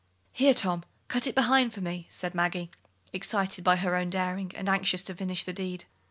"Here, Tom, cut it behind for me," said Maggie, excited by her own daring, and anxious to finish the deed.